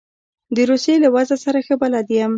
د روسیې له وضع سره ښه بلد یم.